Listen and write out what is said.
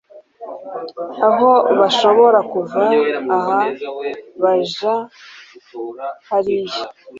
aho bashobore kuva aha baja hariya